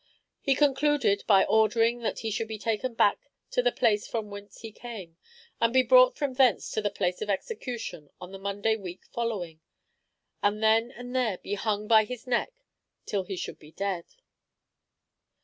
He concluded by ordering that he should be taken back to the place from whence he came, and be brought from thence to the place of execution on the Monday week following, and then and there be hung by his neck till he should be dead.